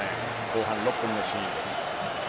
後半６分のシーンです。